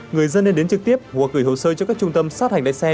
người dân nên đến trực tiếp hoặc gửi hồ sơ cho các trung tâm sát hành lái xe